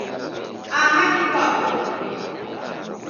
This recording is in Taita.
Aha ni kwapo